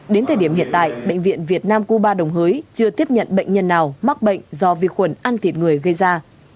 đến thời điểm hiện tại bệnh viện việt nam cuba đồng hới chưa tiếp nhận bệnh nhân nào mắc bệnh do vi khuẩn ăn thịt người gây ra